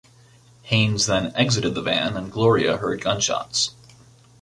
Haynes then exited the van and Gloria heard gunshots.